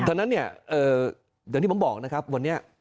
ตอนนั้นเนี่ยอย่างที่ผมบอกนะครับวันนี้